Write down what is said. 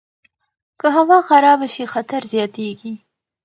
که هوا خرابه شي، خطر زیاتیږي.